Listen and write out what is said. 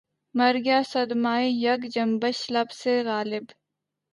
مر گیا صدمۂ یک جنبش لب سے غالبؔ